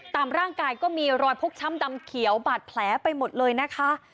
ตามร่างกายก็มีรอยพกช้ำดำเขียวบาดแผลไปหมดเลยนะคะ